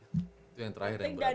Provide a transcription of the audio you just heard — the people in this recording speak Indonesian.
itu yang terakhir yang berarti